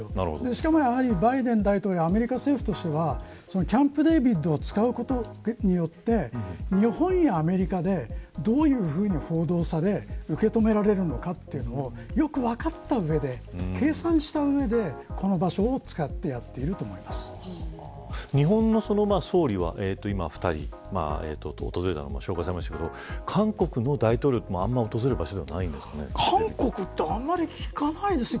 しかもやはり、バイデン大統領アメリカ政府としてはキャンプデービッドを使うことによって日本やアメリカでどういうふうに報道され受け止められるのかというのをよく分かった上で計算した上でこの場所を使って日本の総理は今、２人訪れたのが紹介されましたが韓国の大統領はあまり訪れる場所じゃ韓国ってあまり聞かないですね。